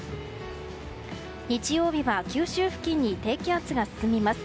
日曜日は九州付近に低気圧が進みます。